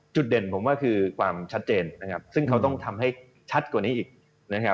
จุดเด่นผมว่าคือความชัดเจนซึ่งเขาต้องทำให้ชัดกว่านี้อีก